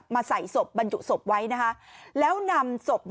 มาใส่สบบรรจุสบไว้นะฮะแล้วนำสบ